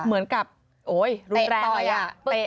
เหมือนกับโอ๊ยรุนแรงตะโกนปล่อยอะ